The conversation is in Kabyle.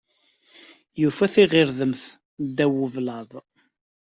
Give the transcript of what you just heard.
Yufa tiɣirdemt ddaw ublaḍ.